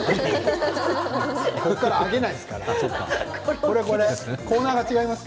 ここから揚げないですから。